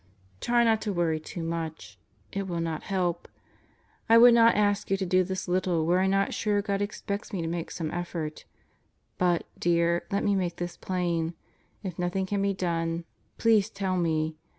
Try not to worry too much. It will not help. I would not ask you to do this little were I not sure God expects me to make some effort. But, dear, let me make this plain: If nothing can be done, please tell me!